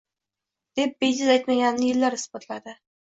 deb bejiz aytmaganini yillar isbotladi.